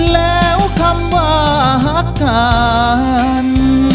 แล้วคำว่าฮักทาน